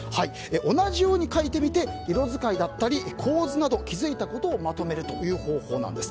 同じように描いてみて色使いだったり構図など気づいたことをまとめるという方法なんです。